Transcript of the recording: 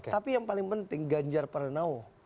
tapi yang paling penting ganjar pernah tahu